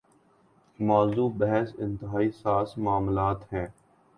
موضوع بحث انتہائی حساس معاملات ہیں۔